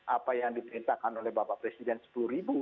apa yang diperintahkan oleh bapak presiden sepuluh ribu